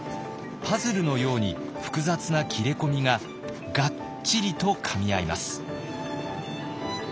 パズルのように複雑な切れ込みががっちりとかみ合います。